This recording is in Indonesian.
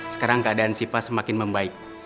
sekarang keadaan sipa semakin membaik